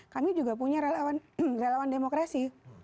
kami juga punya relawan demokrasi